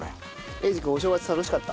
英二君お正月楽しかった？